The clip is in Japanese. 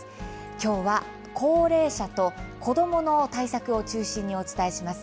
今日は、高齢者と子どもの対策を中心にお伝えします。